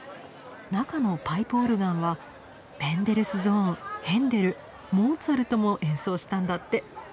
中のパイプオルガンはメンデルスゾーンヘンデルモーツァルトも演奏したんだって。